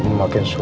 buka ajakku ibu